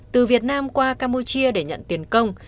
từ việt nam qua campuchia để nhận tiền công